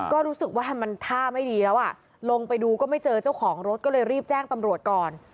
ก็รู้สึกว่ามันท่าไม่ดีแล้วอ่ะลงไปดูก็ไม่เจอเจ้าของรถก็เลยรีบแจ้งตำรวจก่อน